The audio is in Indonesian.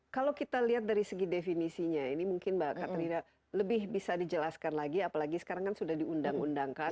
kalau kita lihat dari segi definisinya ini mungkin mbak katrina lebih bisa dijelaskan lagi apalagi sekarang kan sudah diundang undangkan